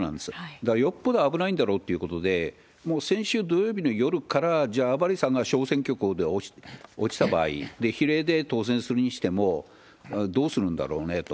だからよっぽど危ないんだろうということで、もう先週土曜日の夜から、じゃあ、甘利さんが小選挙区で落ちた場合、比例で当選するにしても、どうするんだろうねと。